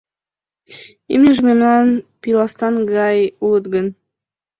Имньыже мемнан пиластан гай улыт гын.